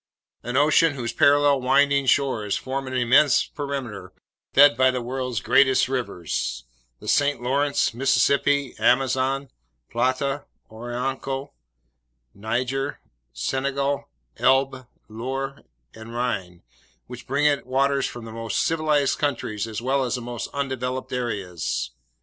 An ocean whose parallel winding shores form an immense perimeter fed by the world's greatest rivers: the St. Lawrence, Mississippi, Amazon, Plata, Orinoco, Niger, Senegal, Elbe, Loire, and Rhine, which bring it waters from the most civilized countries as well as the most undeveloped areas!